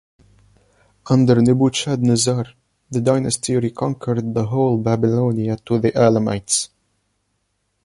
Under Nebuchadnezzar, the dynasty reconquered the whole of Babylonia to the Elamites.